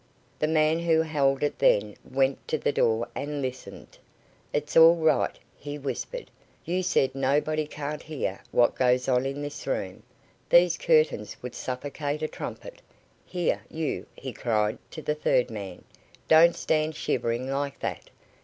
The man who held it then went to the door and listened. "It's all right," he whispered. "You said nobody can't hear what goes on in this room. These curtains would suffocate a trumpet. Here, you," he cried to the third man, "don't stand shivering like that.